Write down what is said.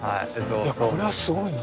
これはすごいな。